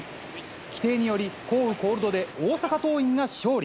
規定により、降雨コールドで大阪桐蔭が勝利。